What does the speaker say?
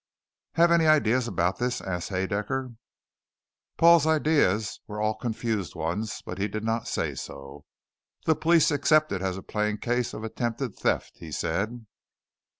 "Have any ideas about this?" asked Haedaecker. Paul's ideas were all confused ones but he did not say so. "The police accept it as a plain case of attempted theft," he said.